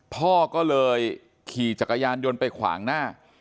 พ่อก็เลยขี่จักรยานยนต์ไปขวางหน้า